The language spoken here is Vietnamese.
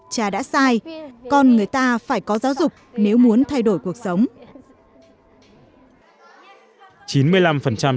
cha đã sai con người ta phải có giáo dục nếu muốn thay đổi cuộc sống